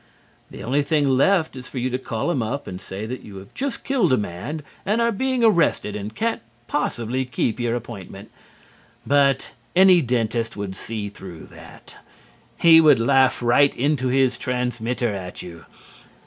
The only thing left is for you to call him up and say that you have just killed a man and are being arrested and can't possibly keep your appointment. But any dentist would see through that. He would laugh right into his transmitter at you.